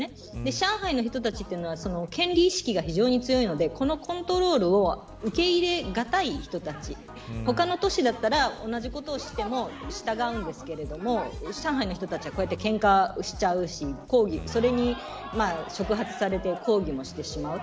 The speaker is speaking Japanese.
上海の人たちっていうのは権利意識が非常に強いのでこのコントロールを受け入れがたい人たち他の都市だったら同じことをしても従うんですけれども上海の人たちはけんかしちゃうしそれに触発されて抗議もしてしまう。